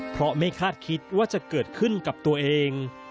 เพราะไม่คาดคิดว่าจะเกิดขึ้นกับตัวเอง